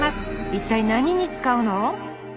一体何に使うの？